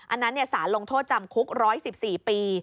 อันนั้นสารลงโทษจำคุก๑๑๔ปี